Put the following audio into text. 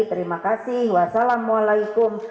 terima kasih wassalamualaikum